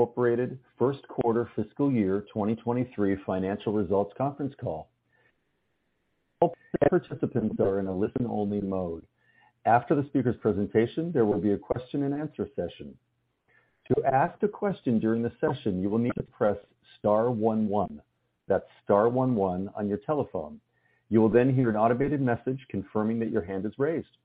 Incorporated First Quarter Fiscal Year 2023 Financial Results Conference Call. All participants are in a listen-only mode. After the speaker's presentation, there will be a question-and-answer session. To ask a question during the session, you will need to press star one one. That's star one one on your telephone. You will then hear an automated message confirming that your hand is raised.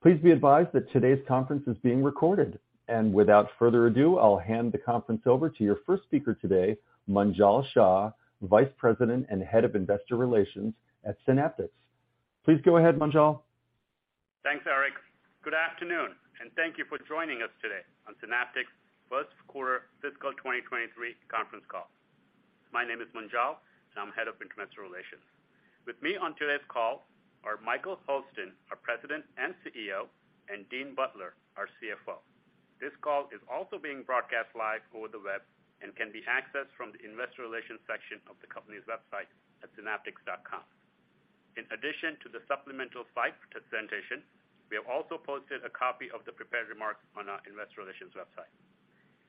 Please be advised that today's conference is being recorded. Without further ado, I'll hand the conference over to your first speaker today, Munjal Shah, Vice President and Head of Investor Relations at Synaptics. Please go ahead, Munjal. Thanks, Eric. Good afternoon, and thank you for joining us today on Synaptics' first quarter fiscal 2023 conference call. My name is Munjal, and I'm Head of Investor Relations. With me on today's call are Michael Hurlston, our President and CEO, and Dean Butler, our CFO. This call is also being broadcast live over the web and can be accessed from the investor relations section of the company's website at synaptics.com. In addition to the supplemental site presentation, we have also posted a copy of the prepared remarks on our investor relations website.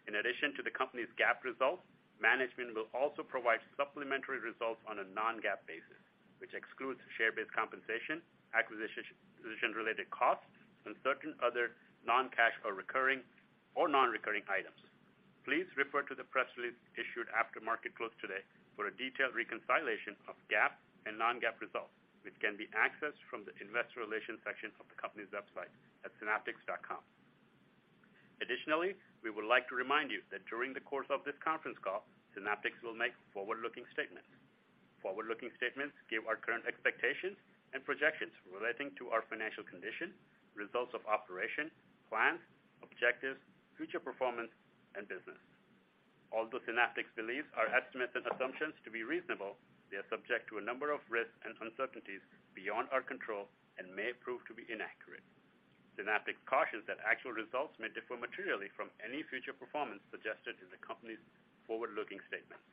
In addition to the company's GAAP results, management will also provide supplementary results on a non-GAAP basis, which excludes share-based compensation, acquisition-related costs, and certain other non-cash or recurring or non-recurring items. Please refer to the press release issued after market close today for a detailed reconciliation of GAAP and non-GAAP results, which can be accessed from the investor relations section of the company's website at synaptics.com. Additionally, we would like to remind you that during the course of this conference call, Synaptics will make forward-looking statements. Forward-looking statements give our current expectations and projections relating to our financial condition, results of operation, plans, objectives, future performance, and business. Although Synaptics believes our estimates and assumptions to be reasonable, they are subject to a number of risks and uncertainties beyond our control and may prove to be inaccurate. Synaptics cautions that actual results may differ materially from any future performance suggested in the company's forward-looking statements.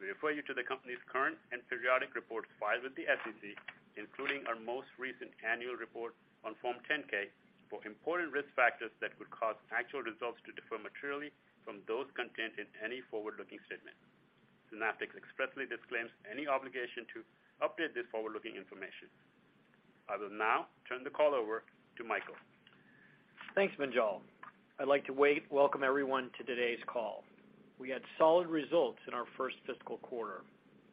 We refer you to the company's current and periodic reports filed with the SEC, including our most recent annual report on Form 10-K for important risk factors that would cause actual results to differ materially from those contained in any forward-looking statement. Synaptics expressly disclaims any obligation to update this forward-looking information. I will now turn the call over to Michael. Thanks, Munjal. I'd like to welcome everyone to today's call. We had solid results in our first fiscal quarter.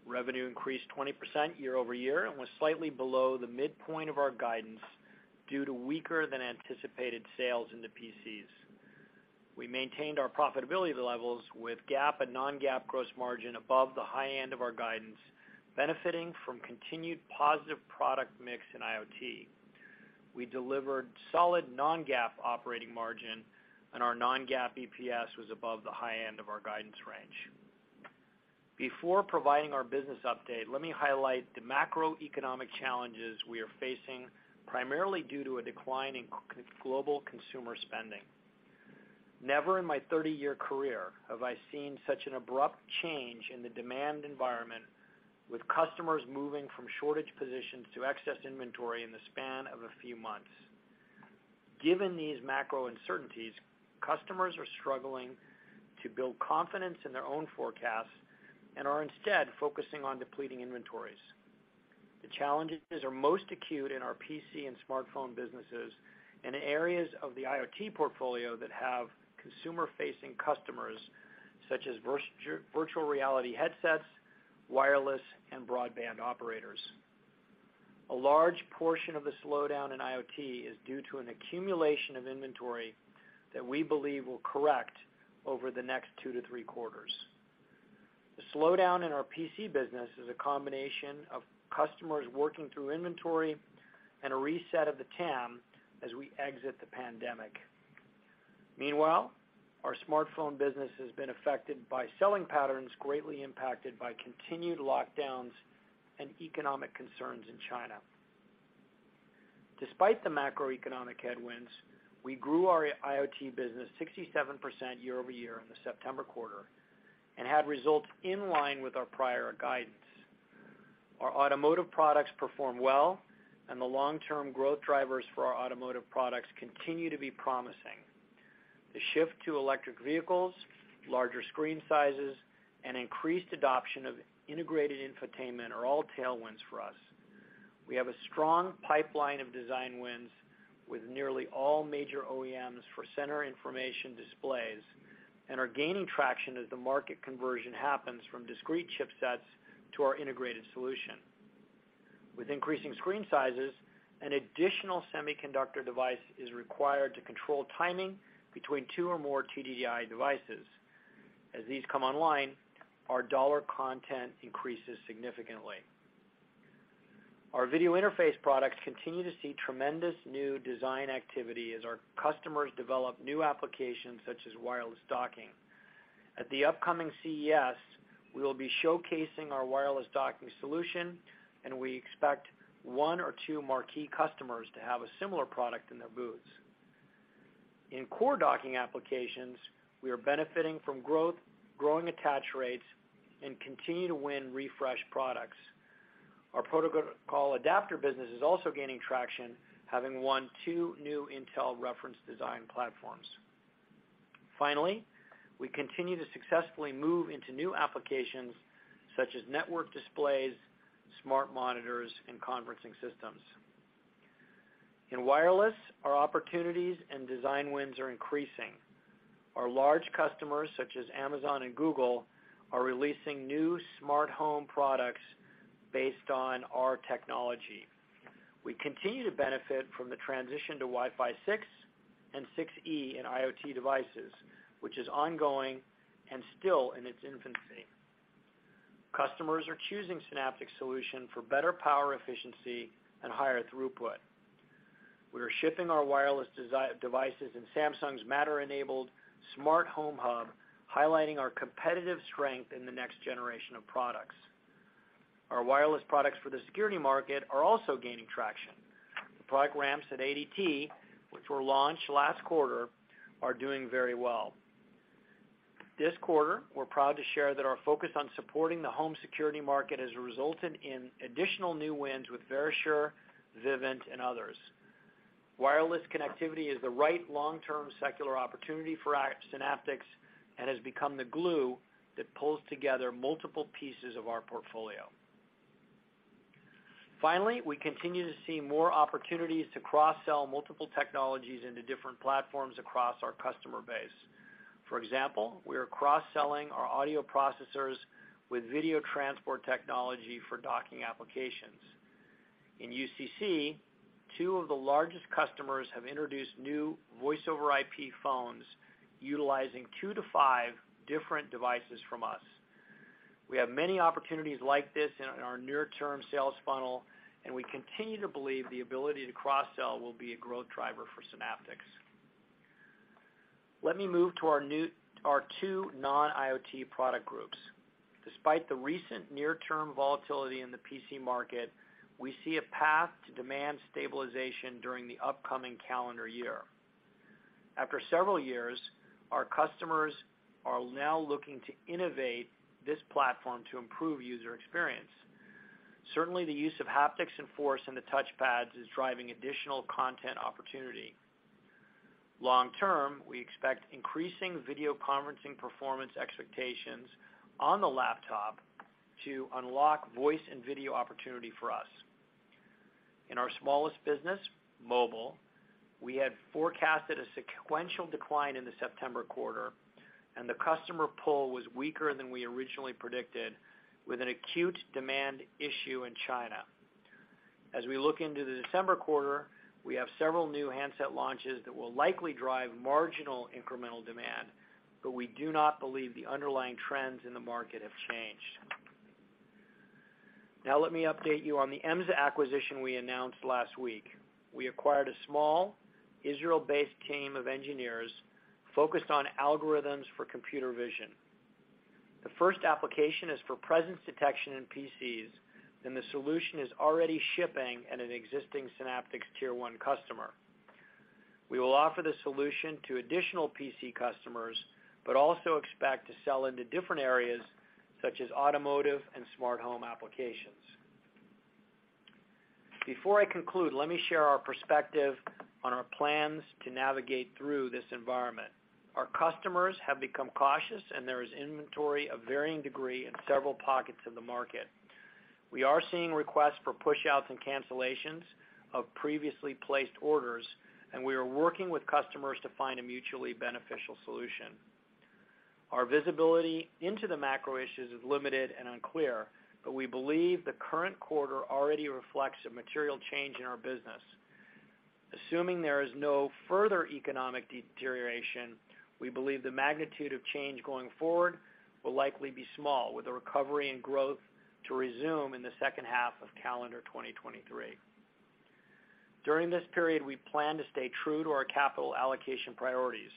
Revenue increased 20% year-over-year and was slightly below the midpoint of our guidance due to weaker than anticipated sales in the PCs. We maintained our profitability levels with GAAP and non-GAAP gross margin above the high end of our guidance, benefiting from continued positive product mix in IoT. We delivered solid non-GAAP operating margin, and our non-GAAP EPS was above the high end of our guidance range. Before providing our business update, let me highlight the macroeconomic challenges we are facing, primarily due to a decline in global consumer spending. Never in my 30-year career have I seen such an abrupt change in the demand environment, with customers moving from shortage positions to excess inventory in the span of a few months. Given these macro uncertainties, customers are struggling to build confidence in their own forecasts and are instead focusing on depleting inventories. The challenges are most acute in our PC and smartphone businesses and in areas of the IoT portfolio that have consumer-facing customers, such as virtual reality headsets, wireless and broadband operators. A large portion of the slowdown in IoT is due to an accumulation of inventory that we believe will correct over the next two to three quarters. The slowdown in our PC business is a combination of customers working through inventory and a reset of the TAM as we exit the pandemic. Meanwhile, our smartphone business has been affected by selling patterns greatly impacted by continued lockdowns and economic concerns in China. Despite the macroeconomic headwinds, we grew our IoT business 67% year-over-year in the September quarter and had results in line with our prior guidance. Our automotive products performed well, and the long-term growth drivers for our automotive products continue to be promising. The shift to electric vehicles, larger screen sizes, and increased adoption of integrated infotainment are all tailwinds for us. We have a strong pipeline of design wins with nearly all major OEMs for center information displays and are gaining traction as the market conversion happens from discrete chipsets to our integrated solution. With increasing screen sizes, an additional semiconductor device is required to control timing between two or more TDDI devices. As these come online, our dollar content increases significantly. Our video interface products continue to see tremendous new design activity as our customers develop new applications such as wireless docking. At the upcoming CES, we will be showcasing our wireless docking solution, and we expect one or two marquee customers to have a similar product in their booths. In core docking applications, we are benefiting from growth, growing attach rates, and continue to win refresh products. Our protocol adapter business is also gaining traction, having won two new Intel reference design platforms. Finally, we continue to successfully move into new applications such as network displays, smart monitors, and conferencing systems. In wireless, our opportunities and design wins are increasing. Our large customers, such as Amazon and Google, are releasing new smart home products based on our technology. We continue to benefit from the transition to Wi-Fi 6 and 6E in IoT devices, which is ongoing and still in its infancy. Customers are choosing Synaptics solution for better power efficiency and higher throughput. We are shipping our wireless devices in Samsung's Matter-enabled smart home hub, highlighting our competitive strength in the next generation of products. Our wireless products for the security market are also gaining traction. The product ramps at ADT, which were launched last quarter, are doing very well. This quarter, we're proud to share that our focus on supporting the home security market has resulted in additional new wins with Verisure, Vivint, and others. Wireless connectivity is the right long-term secular opportunity for Synaptics, and has become the glue that pulls together multiple pieces of our portfolio. Finally, we continue to see more opportunities to cross-sell multiple technologies into different platforms across our customer base. For example, we are cross-selling our audio processors with video transport technology for docking applications. In UCC, two of the largest customers have introduced new voice-over-IP phones utilizing 2-5 different devices from us. We have many opportunities like this in our near-term sales funnel, and we continue to believe the ability to cross-sell will be a growth driver for Synaptics. Let me move to our two non-IoT product groups. Despite the recent near-term volatility in the PC market, we see a path to demand stabilization during the upcoming calendar year. After several years, our customers are now looking to innovate this platform to improve user experience. Certainly, the use of haptics and force in the touch pads is driving additional content opportunity. Long term, we expect increasing video conferencing performance expectations on the laptop to unlock voice and video opportunity for us. In our smallest business, mobile, we had forecasted a sequential decline in the September quarter, and the customer pull was weaker than we originally predicted with an acute demand issue in China. As we look into the December quarter, we have several new handset launches that will likely drive marginal incremental demand, but we do not believe the underlying trends in the market have changed. Now let me update you on the Emza acquisition we announced last week. We acquired a small Israel-based team of engineers focused on algorithms for computer vision. The first application is for presence detection in PCs, and the solution is already shipping at an existing Synaptics tier 1 customer. We will offer the solution to additional PC customers, but also expect to sell into different areas such as automotive and smart home applications. Before I conclude, let me share our perspective on our plans to navigate through this environment. Our customers have become cautious, and there is inventory of varying degree in several pockets of the market. We are seeing requests for pushouts and cancellations of previously placed orders, and we are working with customers to find a mutually beneficial solution. Our visibility into the macro issues is limited and unclear, but we believe the current quarter already reflects a material change in our business. Assuming there is no further economic deterioration, we believe the magnitude of change going forward will likely be small, with the recovery and growth to resume in the second half of calendar 2023. During this period, we plan to stay true to our capital allocation priorities.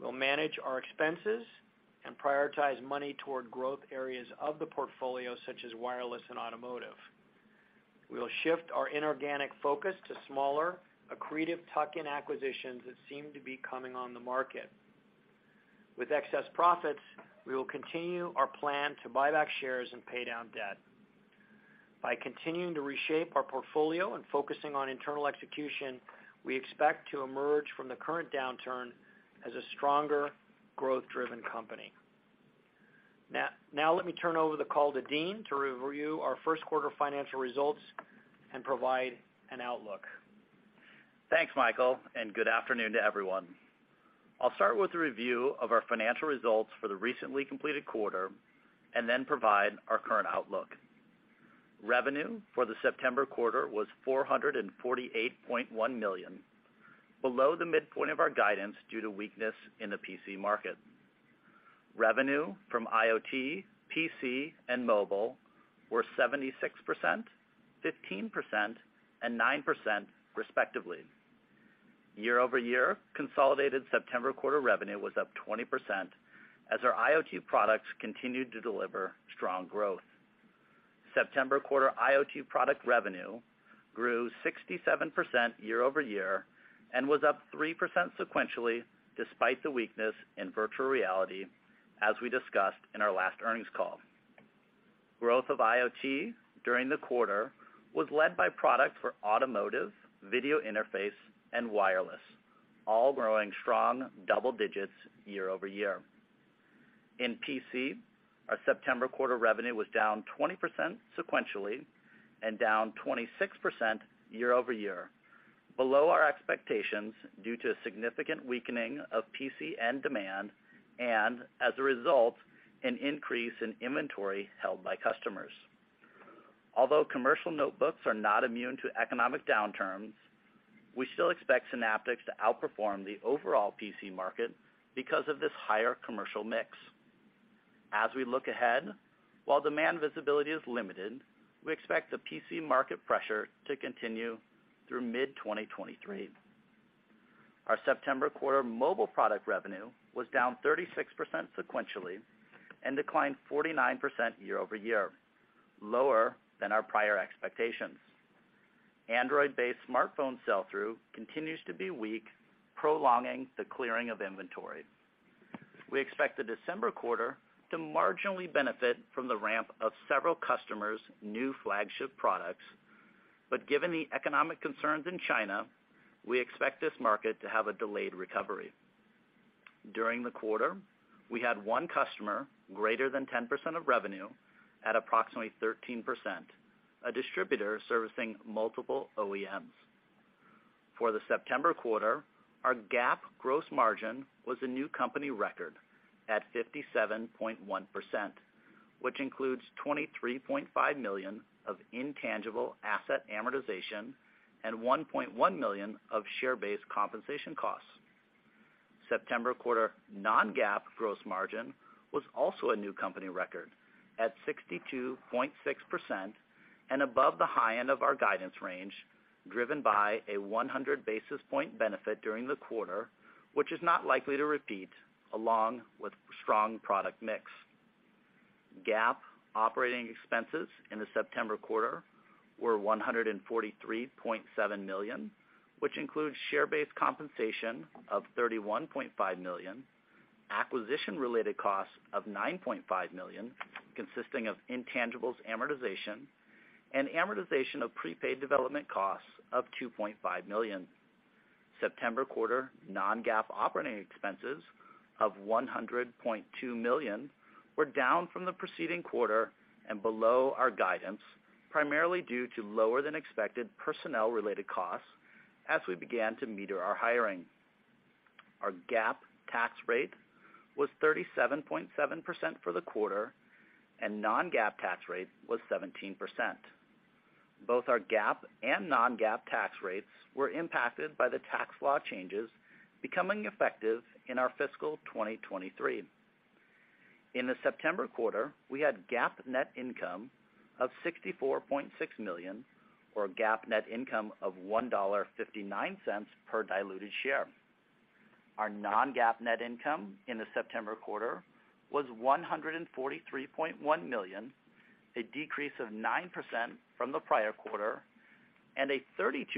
We'll manage our expenses and prioritize money toward growth areas of the portfolio, such as wireless and automotive. We will shift our inorganic focus to smaller, accretive tuck-in acquisitions that seem to be coming on the market. With excess profits, we will continue our plan to buy back shares and pay down debt. By continuing to reshape our portfolio and focusing on internal execution, we expect to emerge from the current downturn as a stronger, growth-driven company. Now, let me turn over the call to Dean to review our first quarter financial results and provide an outlook. Thanks, Michael, and good afternoon to everyone. I'll start with a review of our financial results for the recently completed quarter, and then provide our current outlook. Revenue for the September quarter was $448.1 million, below the midpoint of our guidance due to weakness in the PC market. Revenue from IoT, PC, and mobile were 76%, 15%, and 9% respectively. Year-over-year, consolidated September quarter revenue was up 20% as our IoT products continued to deliver strong growth. September quarter IoT product revenue grew 67% year-over-year and was up 3% sequentially despite the weakness in virtual reality, as we discussed in our last earnings call. Growth of IoT during the quarter was led by products for automotive, video interface, and wireless, all growing strong double digits year-over-year. In PC, our September quarter revenue was down 20% sequentially and down 26% year-over-year, below our expectations due to a significant weakening of PC demand and as a result, an increase in inventory held by customers. Although commercial notebooks are not immune to economic downturns, we still expect Synaptics to outperform the overall PC market because of this higher commercial mix. As we look ahead, while demand visibility is limited, we expect the PC market pressure to continue through mid-2023. Our September quarter mobile product revenue was down 36% sequentially and declined 49% year-over-year, lower than our prior expectations. Android-based smartphone sell-through continues to be weak, prolonging the clearing of inventory. We expect the December quarter to marginally benefit from the ramp of several customers' new flagship products. Given the economic concerns in China, we expect this market to have a delayed recovery. During the quarter, we had one customer greater than 10% of revenue at approximately 13%, a distributor servicing multiple OEMs. For the September quarter, our GAAP gross margin was a new company record at 57.1%, which includes $23.5 million of intangible asset amortization and $1.1 million of share-based compensation costs. September quarter non-GAAP gross margin was also a new company record at 62.6% and above the high end of our guidance range, driven by a 100 basis point benefit during the quarter, which is not likely to repeat along with strong product mix. GAAP operating expenses in the September quarter were $143.7 million, which includes share-based compensation of $31.5 million, acquisition-related costs of $9.5 million consisting of intangibles amortization, and amortization of prepaid development costs of $2.5 million. September quarter non-GAAP operating expenses of $100.2 million were down from the preceding quarter and below our guidance, primarily due to lower than expected personnel-related costs as we began to meter our hiring. Our GAAP tax rate was 37.7% for the quarter and non-GAAP tax rate was 17%. Both our GAAP and non-GAAP tax rates were impacted by the tax law changes becoming effective in our fiscal 2023. In the September quarter, we had GAAP net income of $64.6 million, or a GAAP net income of $1.59 per diluted share. Our non-GAAP net income in the September quarter was $143.1 million, a decrease of 9% from the prior quarter and a 32%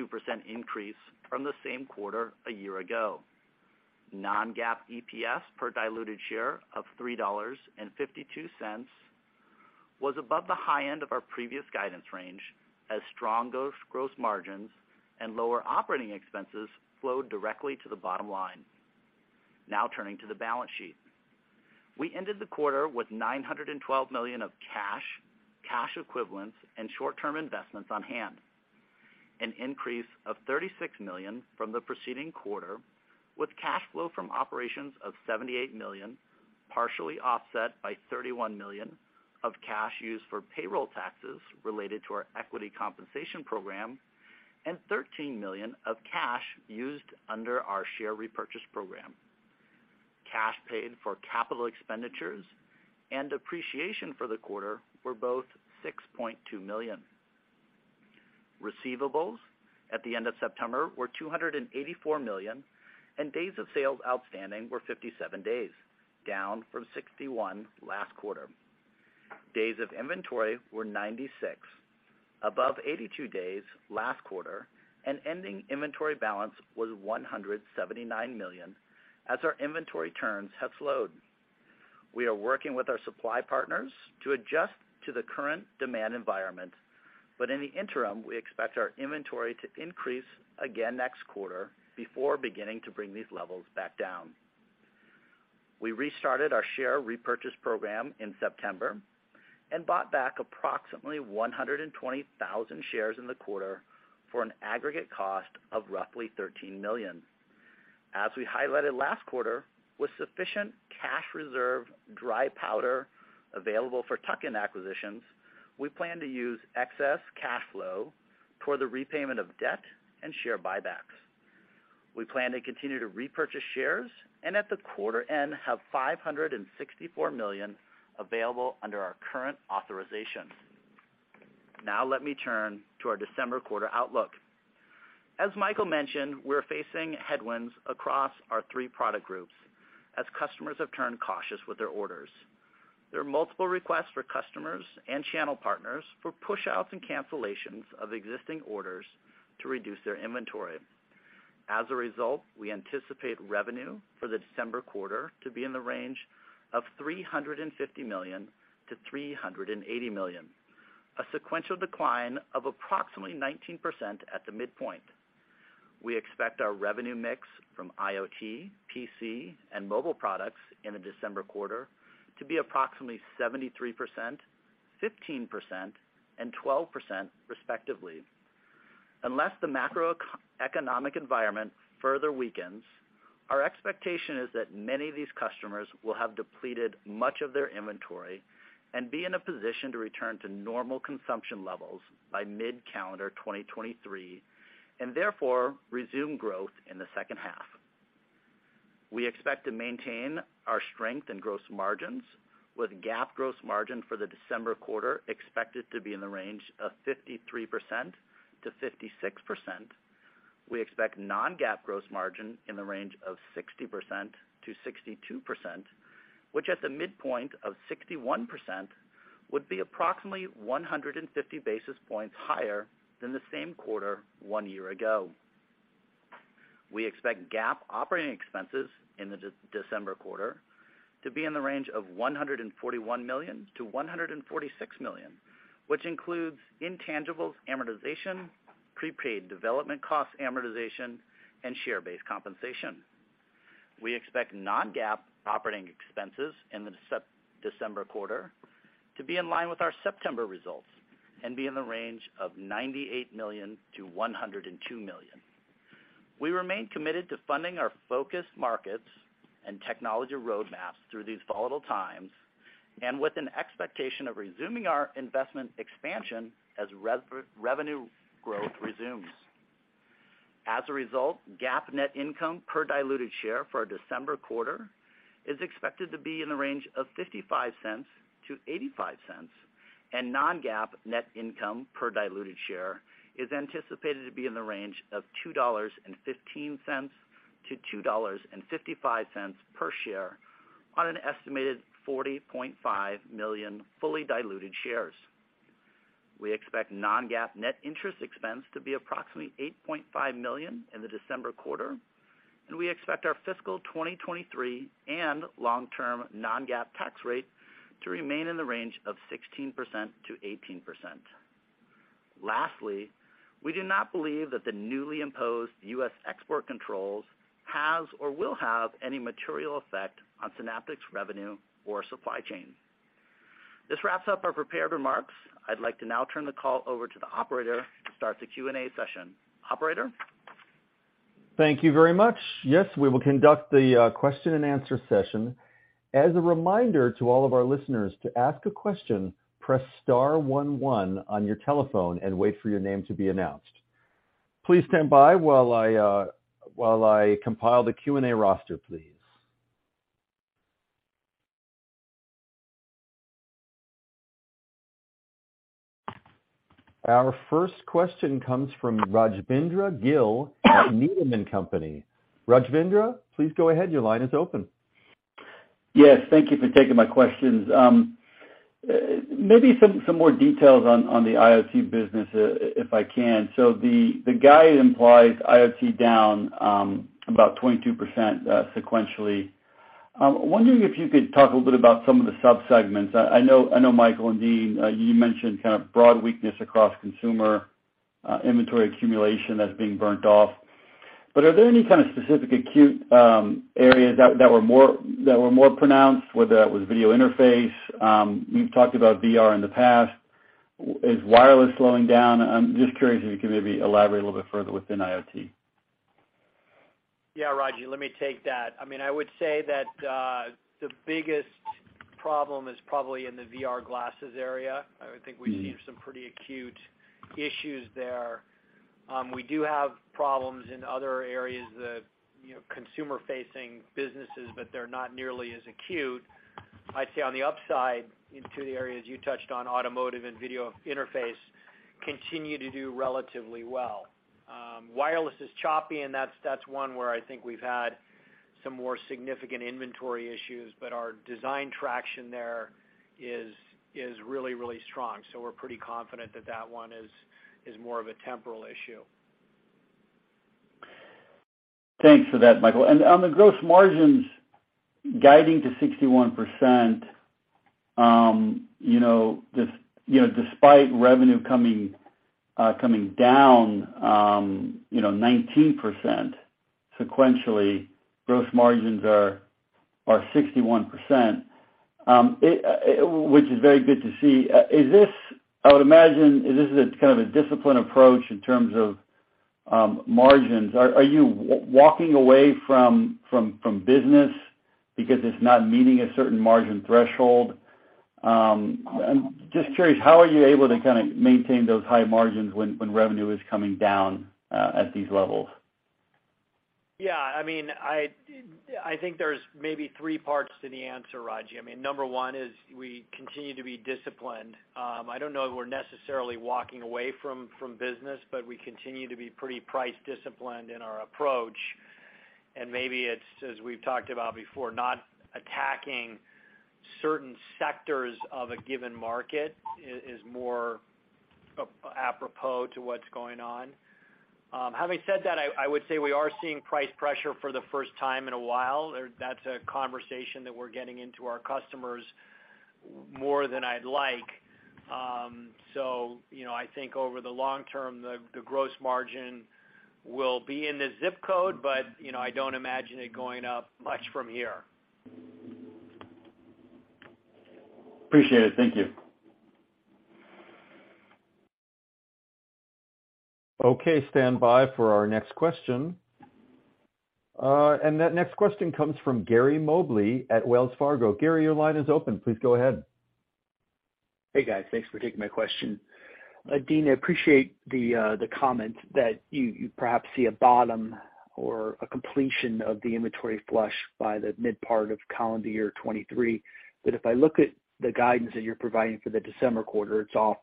increase from the same quarter a year ago. Non-GAAP EPS per diluted share of $3.52 was above the high end of our previous guidance range as strong gross margins and lower operating expenses flowed directly to the bottom line. Now turning to the balance sheet. We ended the quarter with $912 million of cash equivalents and short-term investments on hand, an increase of $36 million from the preceding quarter, with cash flow from operations of $78 million, partially offset by $31 million of cash used for payroll taxes related to our equity compensation program and $13 million of cash used under our share repurchase program. Cash paid for capital expenditures and depreciation for the quarter were both $6.2 million. Receivables at the end of September were $284 million, and days of sales outstanding were 57 days, down from 61 last quarter. Days of inventory were 96, above 82 days last quarter, and ending inventory balance was $179 million as our inventory turns have slowed. We are working with our supply partners to adjust to the current demand environment, but in the interim, we expect our inventory to increase again next quarter before beginning to bring these levels back down. We restarted our share repurchase program in September and bought back approximately 120,000 shares in the quarter for an aggregate cost of roughly $13 million. As we highlighted last quarter, with sufficient cash reserve dry powder available for tuck-in acquisitions, we plan to use excess cash flow toward the repayment of debt and share buybacks. We plan to continue to repurchase shares and at the quarter end, have $564 million available under our current authorization. Now let me turn to our December quarter outlook. As Michael mentioned, we're facing headwinds across our three product groups as customers have turned cautious with their orders. There are multiple requests for customers and channel partners for push-outs and cancellations of existing orders to reduce their inventory. As a result, we anticipate revenue for the December quarter to be in the range of $350 million-$380 million, a sequential decline of approximately 19% at the midpoint. We expect our revenue mix from IoT, PC, and mobile products in the December quarter to be approximately 73%, 15%, and 12% respectively. Unless the macroeconomic environment further weakens, our expectation is that many of these customers will have depleted much of their inventory and be in a position to return to normal consumption levels by mid-calendar 2023, and therefore resume growth in the second half. We expect to maintain our strength in gross margins, with GAAP gross margin for the December quarter expected to be in the range of 53%-56%. We expect non-GAAP gross margin in the range of 60%-62%, which at the midpoint of 61% would be approximately 150 basis points higher than the same quarter one year ago. We expect GAAP operating expenses in the December quarter to be in the range of $141 million-$146 million, which includes intangibles amortization, prepaid development costs amortization, and share-based compensation. We expect non-GAAP operating expenses in the September quarter to be in line with our September results and be in the range of $98 million-$102 million. We remain committed to funding our focus markets and technology roadmaps through these volatile times, and with an expectation of resuming our investment expansion as revenue growth resumes. As a result, GAAP net income per diluted share for our December quarter is expected to be in the range of $0.55-$0.85, and non-GAAP net income per diluted share is anticipated to be in the range of $2.15-$2.55 per share on an estimated 40.5 million fully diluted shares. We expect non-GAAP net interest expense to be approximately $8.5 million in the December quarter, and we expect our fiscal 2023 and long-term non-GAAP tax rate to remain in the range of 16%-18%. Lastly, we do not believe that the newly imposed U.S. export controls has or will have any material effect on Synaptics revenue or supply chain. This wraps up our prepared remarks. I'd like to now turn the call over to the operator to start the Q&A session. Operator? Thank you very much. Yes, we will conduct the question and answer session. As a reminder to all of our listeners, to ask a question, press star one one on your telephone and wait for your name to be announced. Please stand by while I compile the Q&A roster, please. Our first question comes from Rajvindra Gill at Needham & Company. Rajvindra, please go ahead. Your line is open. Yes, thank you for taking my questions. Maybe some more details on the IoT business, if I can. The guide implies IoT down about 22% sequentially. I'm wondering if you could talk a little bit about some of the subsegments. I know Michael and Dean, you mentioned kind of broad weakness across consumer inventory accumulation that's being burned off. Are there any kind of specific acute areas that were more pronounced, whether that was video interface? You've talked about VR in the past. Is wireless slowing down? I'm just curious if you could maybe elaborate a little bit further within IoT. Yeah, Raji, let me take that. I mean, I would say that the biggest problem is probably in the VR glasses area. I would think we've seen some pretty acute issues there. We do have problems in other areas, you know, consumer-facing businesses, but they're not nearly as acute. I'd say on the upside, in the areas you touched on, automotive and video interface continue to do relatively well. Wireless is choppy, and that's one where I think we've had some more significant inventory issues, but our design traction there is really strong. So we're pretty confident that that one is more of a temporal issue. Thanks for that, Michael. On the gross margins guiding to 61%, you know, despite revenue coming down 19% sequentially, gross margins are 61%, which is very good to see. I would imagine this is a kind of a disciplined approach in terms of margins. Are you walking away from business because it's not meeting a certain margin threshold? I'm just curious, how are you able to kinda maintain those high margins when revenue is coming down at these levels? Yeah, I mean, I think there's maybe three parts to the answer, Raji. I mean, number one is we continue to be disciplined. I don't know if we're necessarily walking away from business, but we continue to be pretty price disciplined in our approach. Maybe it's, as we've talked about before, not attacking certain sectors of a given market is more apropos to what's going on. Having said that, I would say we are seeing price pressure for the first time in a while. That's a conversation that we're getting into our customers more than I'd like. You know, I think over the long term, the gross margin will be in the zip code, but you know, I don't imagine it going up much from here. Appreciate it. Thank you. Okay, stand by for our next question. That next question comes from Gary Mobley at Wells Fargo. Gary, your line is open. Please go ahead. Hey, guys. Thanks for taking my question. Dean, I appreciate the comment that you perhaps see a bottom or a completion of the inventory flush by the mid part of calendar year 2023. If I look at the guidance that you're providing for the December quarter, it's off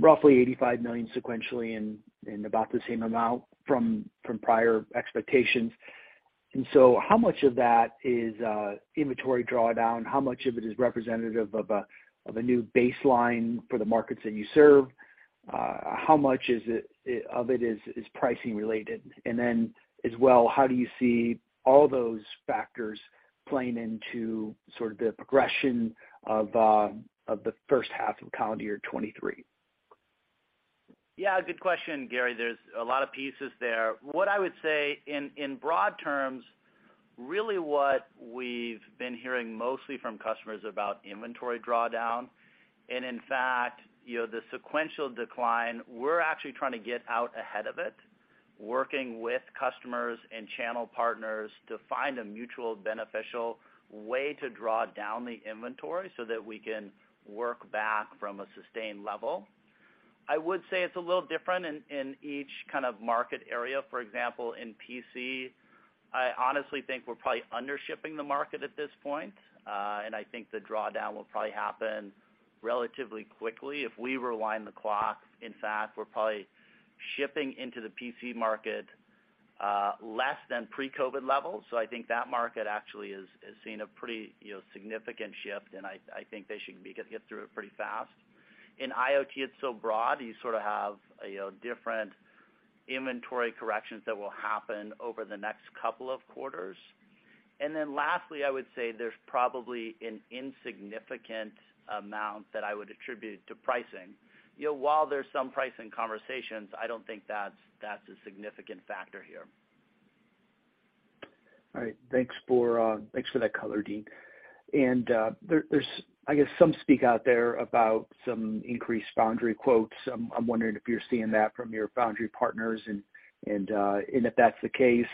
roughly $85 million sequentially and about the same amount from prior expectations. How much of that is inventory drawdown? How much of it is representative of a new baseline for the markets that you serve? How much of it is pricing related? Then as well, how do you see all those factors playing into sort of the progression of the first half of calendar year 2023? Yeah, good question, Gary. There's a lot of pieces there. What I would say in broad terms, really what we've been hearing mostly from customers about inventory drawdown, and in fact, you know, the sequential decline, we're actually trying to get out ahead of it, working with customers and channel partners to find a mutual beneficial way to draw down the inventory so that we can work back from a sustained level. I would say it's a little different in each kind of market area. For example, in PC, I honestly think we're probably under shipping the market at this point. And I think the drawdown will probably happen relatively quickly. If we rewind the clock, in fact, we're probably shipping into the PC market, less than pre-COVID levels. I think that market actually is seeing a pretty, you know, significant shift, and I think they should be able to get through it pretty fast. In IoT, it's so broad, you sort of have, you know, different inventory corrections that will happen over the next couple of quarters. Then lastly, I would say there's probably an insignificant amount that I would attribute to pricing. You know, while there's some pricing conversations, I don't think that's a significant factor here. All right. Thanks for that color, Dean. There's, I guess, some talk out there about some increased foundry quotes. I'm wondering if you're seeing that from your foundry partners and if that's the case,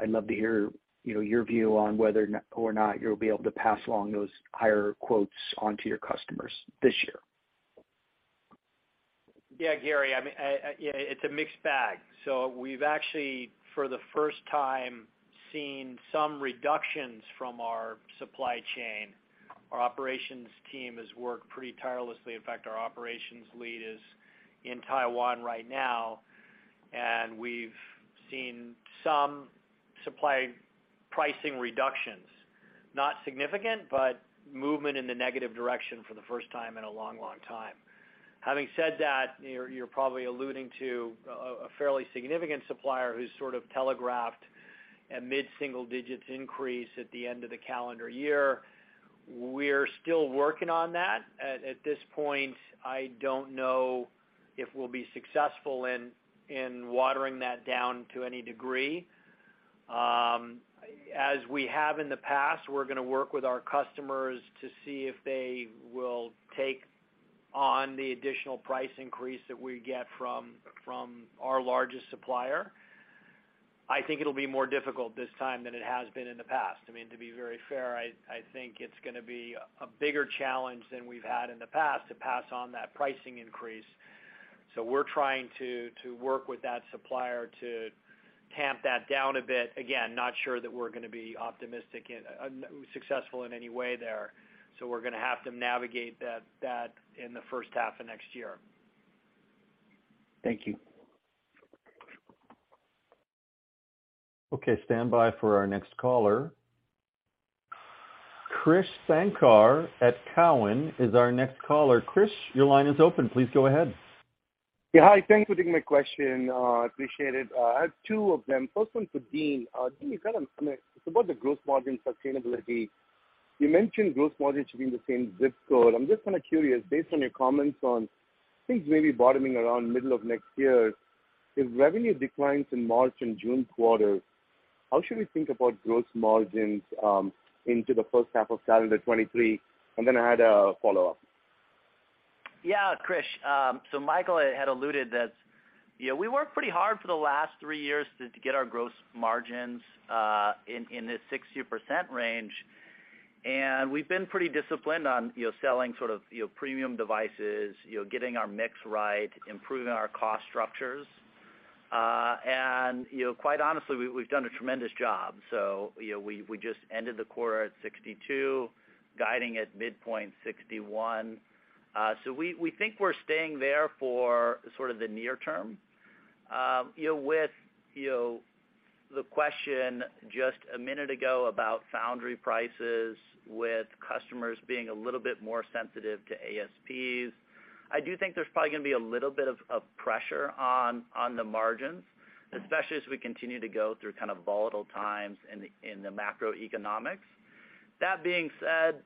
I'd love to hear, you know, your view on whether or not you'll be able to pass along those higher quotes onto your customers this year. Yeah, Gary, I mean, yeah, it's a mixed bag. We've actually, for the first time, seen some reductions from our supply chain. Our operations team has worked pretty tirelessly. In fact, our operations lead is in Taiwan right now, and we've seen some supply pricing reductions, not significant, but movement in the negative direction for the first time in a long, long time. Having said that, you're probably alluding to a fairly significant supplier who's sort of telegraphed a mid-single digits increase at the end of the calendar year. We're still working on that. At this point, I don't know if we'll be successful in watering that down to any degree. As we have in the past, we're gonna work with our customers to see if they will take on the additional price increase that we get from our largest supplier. I think it'll be more difficult this time than it has been in the past. I mean, to be very fair, I think it's gonna be a bigger challenge than we've had in the past to pass on that pricing increase. We're trying to work with that supplier to tamp that down a bit. Again, not sure that we're gonna be optimistic and successful in any way there. We're gonna have to navigate that in the first half of next year. Thank you. Okay, stand by for our next caller. Krish Sankar at Cowen is our next caller. Krish, your line is open. Please go ahead. Yeah. Hi. Thanks for taking my question. Appreciate it. I have two of them. First one for Dean. Dean, it's about the gross margin sustainability. You mentioned gross margin should be in the same zip code. I'm just kind of curious, based on your comments on things maybe bottoming around middle of next year, if revenue declines in March and June quarter, how should we think about gross margins into the first half of calendar 2023? I had a follow-up. Yeah, Krish. Michael had alluded that, you know, we worked pretty hard for the last three years to get our gross margins in this 60% range. We've been pretty disciplined on, you know, selling sort of, you know, premium devices, you know, getting our mix right, improving our cost structures. You know, quite honestly, we've done a tremendous job. We just ended the quarter at 62%, guiding at midpoint 61%. We think we're staying there for sort of the near term. You know, with the question just a minute ago about foundry prices with customers being a little bit more sensitive to ASPs, I do think there's probably gonna be a little bit of pressure on the margins, especially as we continue to go through kind of volatile times in the macroeconomics. That being said,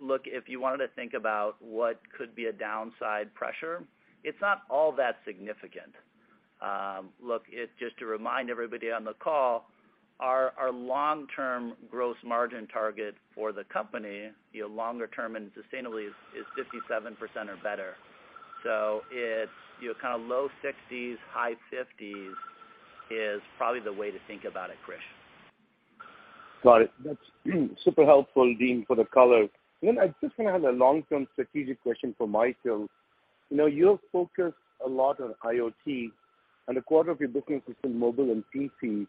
look, if you wanted to think about what could be a downside pressure, it's not all that significant. Look, just to remind everybody on the call, our long-term gross margin target for the company, you know, longer term and sustainably is 57% or better. It's, you know, kind of low 60s%, high 50s% is probably the way to think about it, Krish. Got it. That's super helpful, Dean, for the color. I just wanna have a long-term strategic question for Michael. You know, you have focused a lot on IoT, and a quarter of your business is in mobile and PC.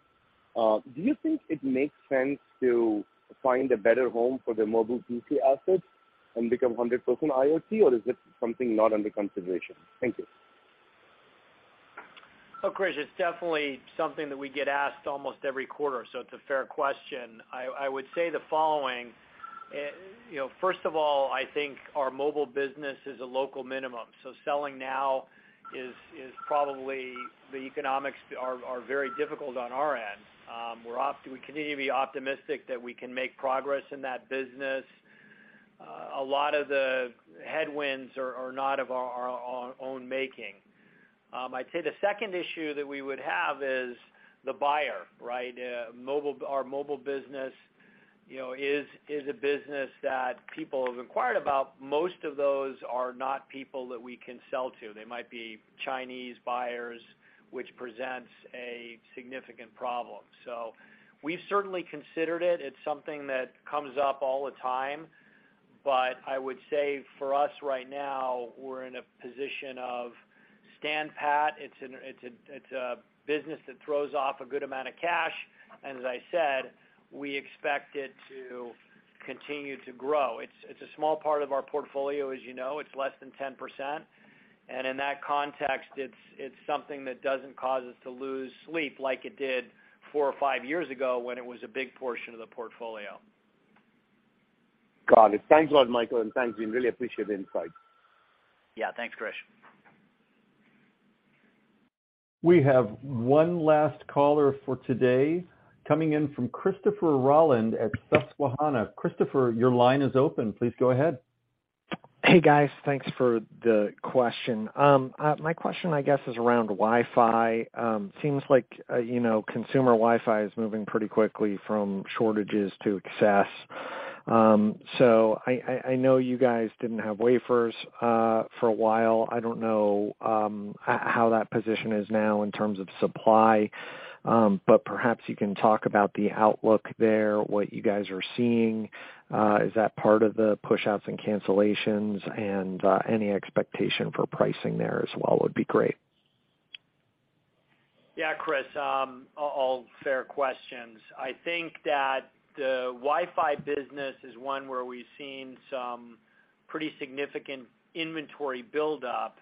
Do you think it makes sense to find a better home for the mobile PC assets and become 100% IoT, or is it something not under consideration? Thank you. Well, Krish, it's definitely something that we get asked almost every quarter, so it's a fair question. I would say the following. You know, first of all, I think our mobile business is a local minimum, so selling now is probably the economics are very difficult on our end. We continue to be optimistic that we can make progress in that business. A lot of the headwinds are not of our own making. I'd say the second issue that we would have is the buyer, right? Mobile, our mobile business, you know, is a business that people have inquired about. Most of those are not people that we can sell to. They might be Chinese buyers, which presents a significant problem. We've certainly considered it. It's something that comes up all the time. I would say for us right now, we're in a position of stand pat. It's a business that throws off a good amount of cash. As I said, we expect it to continue to grow. It's a small part of our portfolio, as you know. It's less than 10%. In that context, it's something that doesn't cause us to lose sleep like it did four or five years ago when it was a big portion of the portfolio. Got it. Thanks a lot, Michael, and thanks, Dean. Really appreciate the insight. Yeah. Thanks, Krish. We have one last caller for today coming in from Christopher Rolland at Susquehanna. Christopher, your line is open. Please go ahead. Hey, guys. Thanks for the question. My question, I guess, is around Wi-Fi. Seems like, you know, consumer Wi-Fi is moving pretty quickly from shortages to excess. So I know you guys didn't have wafers for a while. I don't know how that position is now in terms of supply. But perhaps you can talk about the outlook there, what you guys are seeing. Is that part of the pushouts and cancellations? Any expectation for pricing there as well would be great. Yeah, Chris, all fair questions. I think that the Wi-Fi business is one where we've seen some pretty significant inventory buildup.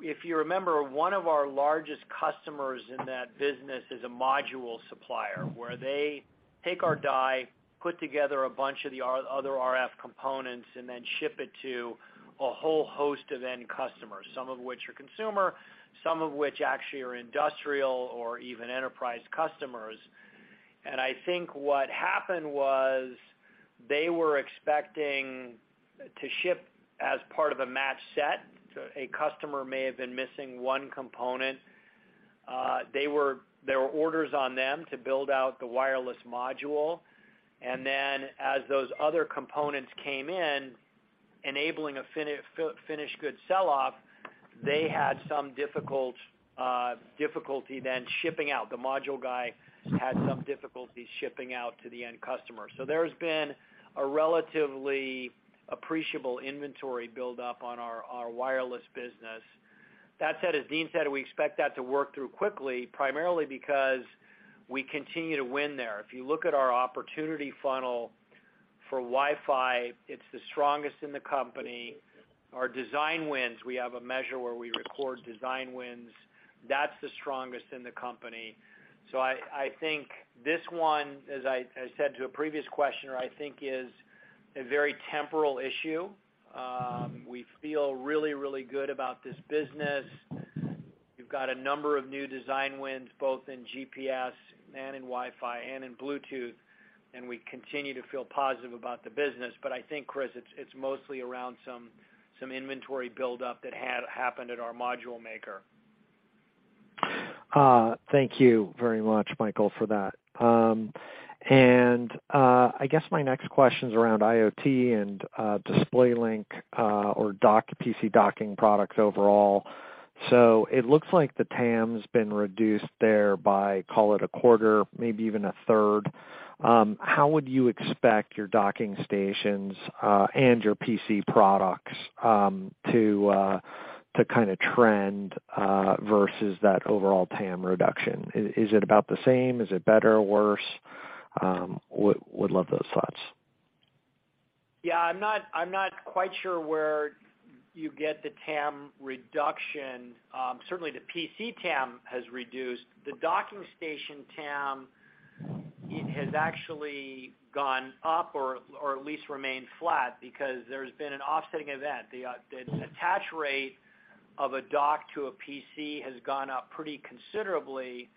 If you remember, one of our largest customers in that business is a module supplier, where they take our die, put together a bunch of the other RF components, and then ship it to a whole host of end customers, some of which are consumer, some of which actually are industrial or even enterprise customers. I think what happened was they were expecting to ship as part of a matched set. A customer may have been missing one component. There were orders on them to build out the wireless module. Then as those other components came in, enabling a finished goods sell-off, they had some difficulty then shipping out. The module guy had some difficulty shipping out to the end customer. There's been a relatively appreciable inventory buildup on our wireless business. That said, as Dean said, we expect that to work through quickly, primarily because we continue to win there. If you look at our opportunity funnel for Wi-Fi, it's the strongest in the company. Our design wins, we have a measure where we record design wins, that's the strongest in the company. I think this one, as I said to a previous questioner, I think is a very temporal issue. We feel really, really good about this business. We've got a number of new design wins, both in GPS and in Wi-Fi and in Bluetooth, and we continue to feel positive about the business. I think, Chris, it's mostly around some inventory buildup that had happened at our module maker. Thank you very much, Michael, for that. I guess my next question's around IoT and DisplayLink or dock PC docking products overall. It looks like the TAM's been reduced there by, call it a quarter, maybe even a third. How would you expect your docking stations and your PC products to kind of trend versus that overall TAM reduction? Is it about the same? Is it better or worse? Would love those thoughts. Yeah, I'm not quite sure where you get the TAM reduction. Certainly the PC TAM has reduced. The docking station TAM has actually gone up or at least remained flat because there's been an offsetting event. The attach rate of a dock to a PC has gone up pretty considerably,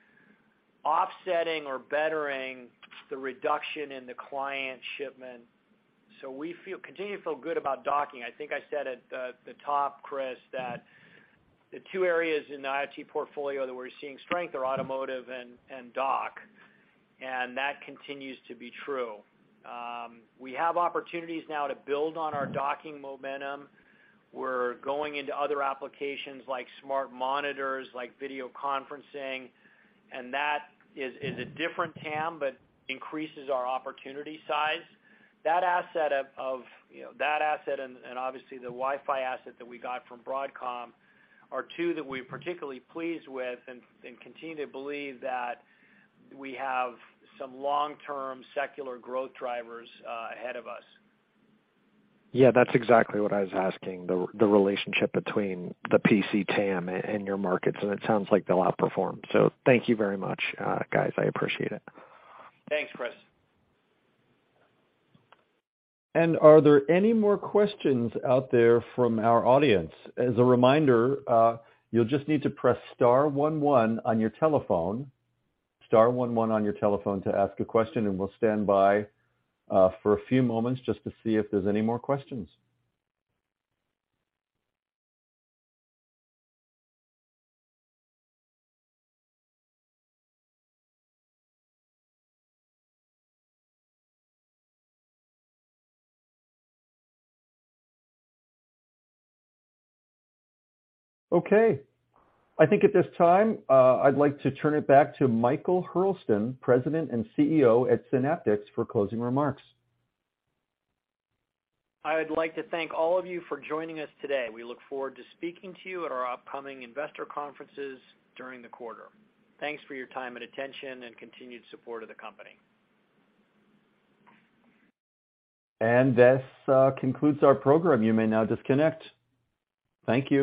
offsetting or bettering the reduction in the client shipment. So we feel continue to feel good about docking. I think I said at the top, Chris, that the two areas in the IoT portfolio that we're seeing strength are automotive and dock, and that continues to be true. We have opportunities now to build on our docking momentum. We're going into other applications like smart monitors, like video conferencing, and that is a different TAM, but increases our opportunity size. That asset of, you know, that asset and obviously the Wi-Fi asset that we got from Broadcom are two that we're particularly pleased with and continue to believe that we have some long-term secular growth drivers ahead of us. Yeah, that's exactly what I was asking, the relationship between the PC TAM and your markets, and it sounds like they'll outperform. Thank you very much, guys. I appreciate it. Thanks, Chris. Are there any more questions out there from our audience? As a reminder, you'll just need to press star one one on your telephone, star one one on your telephone to ask a question, and we'll stand by, for a few moments just to see if there's any more questions. Okay. I think at this time, I'd like to turn it back to Michael Hurlston, President and CEO at Synaptics for closing remarks. I would like to thank all of you for joining us today. We look forward to speaking to you at our upcoming investor conferences during the quarter. Thanks for your time and attention and continued support of the company. This concludes our program. You may now disconnect. Thank you.